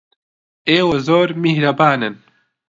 ئێوە زۆر میهرەبانن.